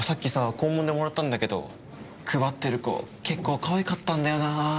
校門でもらったんだけど配ってる子結構かわいかったんだよな。